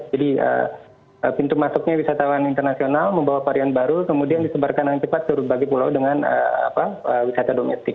jadi pintu masuknya wisatawan internasional membawa varian baru kemudian disebarkan dengan cepat ke berbagai pulau dengan apa wisata domestik